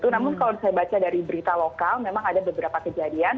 namun kalau saya baca dari berita lokal memang ada beberapa kejadian